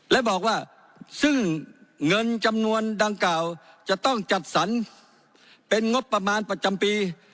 และบอกว่าซึ่งเงินจำนวนดังกล่าวจะต้องจัดสรรเป็นงบประมาณประจำปี